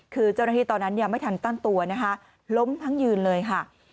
คือเจ้าหน้าที่ตอนนั้นยังไม่ทันตั้งตัวนะคะล้มทั้งยืนเลยค่ะ